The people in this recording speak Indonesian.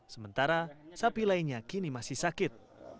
sementara sapi lainnya kini masih sakit